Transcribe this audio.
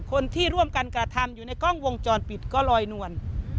คนที่ร่วมกันกระทำอยู่ในกล้องวงจรปิดก็ลอยนวล